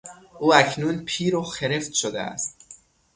او اکنون پیرو خرفت شده است.